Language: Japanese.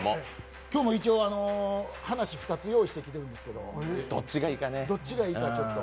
今日も話２つ用意してきているんですけど、どっちがいいか、ちょっと。